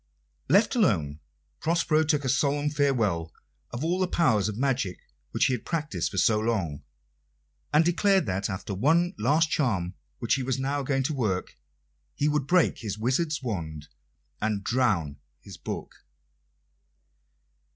Left alone, Prospero took a solemn farewell of all the powers of magic which he had practised for so long, and declared that, after one last charm which he was now going to work, he would break his wizard's wand and drown his book.